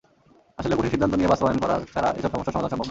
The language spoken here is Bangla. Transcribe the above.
আসলে কঠিন সিদ্ধান্ত নিয়ে বাস্তবায়ন করা ছাড়া এসব সমস্যার সমাধান সম্ভব না।